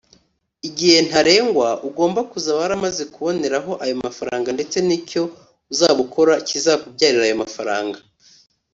igihe ntarengwa ugomba kuzaba waramaze kuboneraho aya mafaranga ndetse n’icyo uzaba ukora kizakubyarira ayo mafaranga